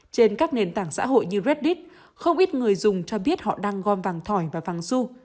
trên các nền tảng xã hội như reddit không ít người dùng cho biết họ đang gom vàng thỏi và vàng su